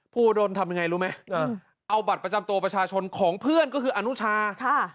โอดลทำยังไงรู้ไหมเอาบัตรประจำตัวประชาชนของเพื่อนก็คืออนุชาค่ะ